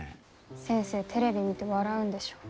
先生テレビ見て笑うんでしょ。